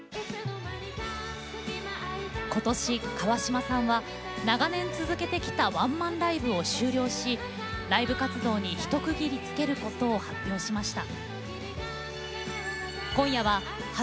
今年川嶋さんは長年続けてきたワンマンライブを終了しライブ活動に一区切りつけることを発表しました。